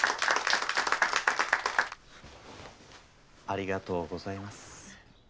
ありがとうございます。